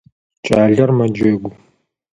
Кӏалэр мэджэгу.